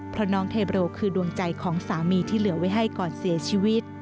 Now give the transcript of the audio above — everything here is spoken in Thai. เพราะน้องเทเบโรคือดวงใจของสามีที่เหลือไว้ให้ก่อนเสียชีวิต